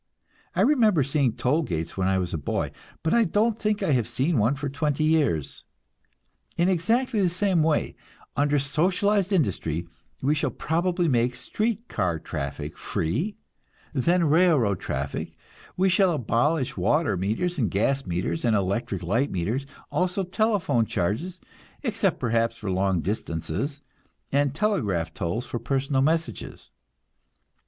I remember seeing toll gates when I was a boy, but I don't think I have seen one for twenty years. In exactly the same way, under socialized industry, we shall probably make street car traffic free, and then railroad traffic; we shall abolish water meters and gas meters and electric light meters, also telephone charges, except perhaps for long distances, and telegraph tolls for personal messages.